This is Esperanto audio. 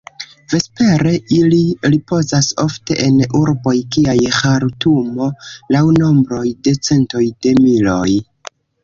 Vespere ili ripozas, ofte en urboj kiaj Ĥartumo, laŭ nombroj de centoj de miloj.